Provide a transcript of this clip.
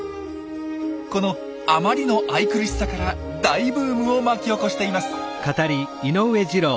このあまりの愛くるしさから大ブームを巻き起こしています！